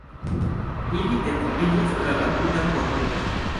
Ili etendiĝas tra la tuta korpo.